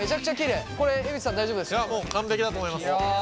いやもう完璧だと思います。